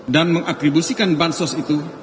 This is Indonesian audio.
dan mengakribusikan bansos itu